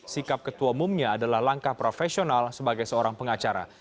sikap ketua umumnya adalah langkah profesional sebagai seorang pengacara